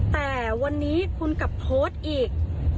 แต่วันนี้คุณกลับโพสต์อีก